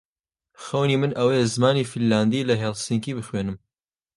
خەونی من ئەوەیە زمانی فینلاندی لە هێلسینکی بخوێنم.